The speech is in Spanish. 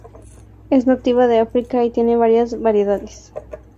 Es nativa de África y tiene varias variedades.